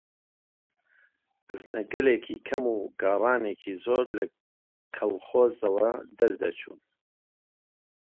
بزنەگەلێکی کەم و گاڕانێکی زۆر لە کەڵخۆزەوە دەردەچوو